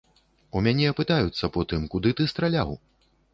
У мяне пытаюцца потым, куды ты страляў?